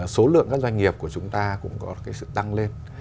số lượng các doanh nghiệp của chúng ta cũng có sự tăng lên